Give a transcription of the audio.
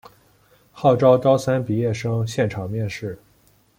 号召高三毕业生现场面试